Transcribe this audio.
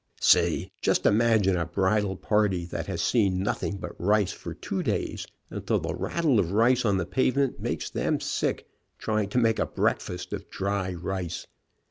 Say, just imagine a bridal party, that has seen nothing but rice for two days, until the rattle of rice on the pavement makes them sick, try ing to make a breakfast of dry rice.